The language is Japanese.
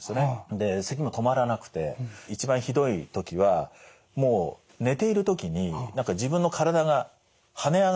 でせきも止まらなくて一番ひどい時はもう寝ている時に何か自分の体が跳ね上がる感じ。